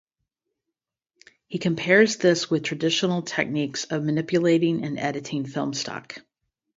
He compares this with traditional techniques of manipulating and editing film stock.